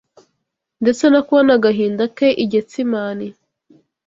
ndetse no kubona agahinda ke i Getsemani